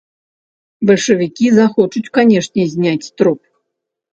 Бальшавікі захочуць, канешне, зняць труп.